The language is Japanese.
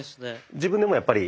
自分でもやっぱり。